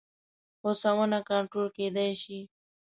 هوسونه کنټرول کېدای شي.